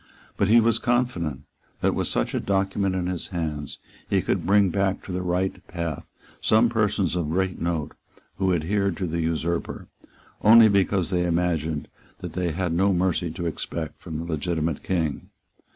But he was confident that, with such a document in his hands, he could bring back to the right path some persons of great note who adhered to the usurper, only because they imagined that they had no mercy to expect from the legitimate King.